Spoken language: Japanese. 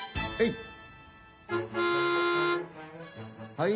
「はい」